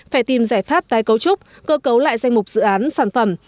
phải tìm giải pháp tái cấu trúc cơ cấu lại danh mục dự án sản phẩm